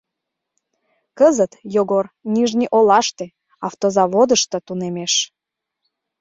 Кызыт Йогор Нижний олаште, автозаводышто, тунемеш.